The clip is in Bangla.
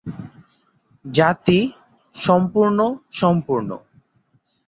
জাতি: সম্পূর্ণ-সম্পূর্ণ।